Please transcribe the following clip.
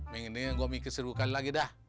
mending gue mikir seribu kali lagi dah